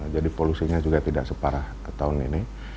jadi polusinya juga tidak separah tahun ini